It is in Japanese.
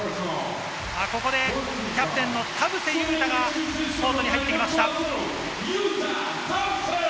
ここでキャプテンの田臥勇太がコートに入ってきました。